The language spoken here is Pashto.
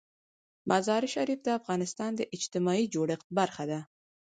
مزارشریف د افغانستان د اجتماعي جوړښت برخه ده.